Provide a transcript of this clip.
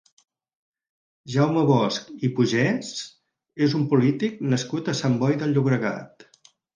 Jaume Bosch i Pugès és un polític nascut a Sant Boi de Llobregat.